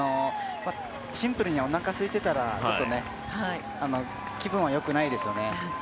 シンプルにおなかがすいていたらちょっと気分はよくないですよね。